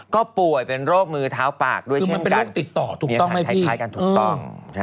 ก็ป่วยเป็นโรคมือเท้าปากด้วยเช่นกัน